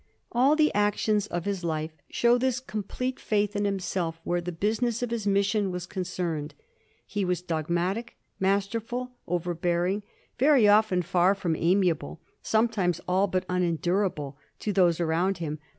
All the actions of his life show this complete faith in himself where the business of his mission was concerned. He was dogmatic, masterful, overbearing, very often far from ami able, sometimes all but unendurable, to those around him.